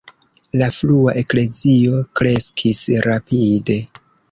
La frua Eklezio kreskis rapide.